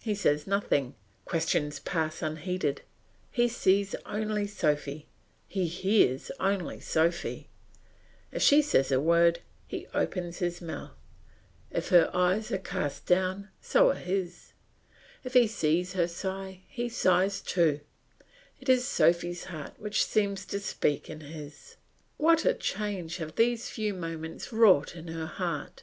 He says nothing; questions pass unheeded; he sees only Sophy, he hears only Sophy; if she says a word, he opens his mouth; if her eyes are cast down, so are his; if he sees her sigh, he sighs too; it is Sophy's heart which seems to speak in his. What a change have these few moments wrought in her heart!